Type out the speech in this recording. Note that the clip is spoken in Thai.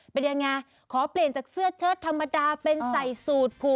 เป็นยังไงขอเปลี่ยนจากเสื้อเชิดธรรมดาเป็นใส่สูตรผูก